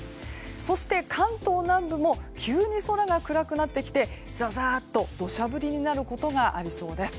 そして、関東南部も急に空が暗くなってきて土砂降りになることがありそうです。